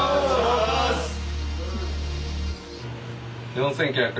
４９００